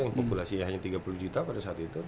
yang populasinya hanya tiga puluh juta pada saat itu